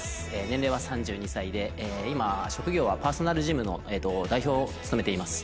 年齢は３２歳で今職業はパーソナルジムの代表を務めています。